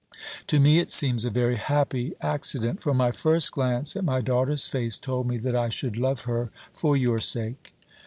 To me it seems a very happy accident; for my first glance at my daughter's face told me that I should love her for your sake.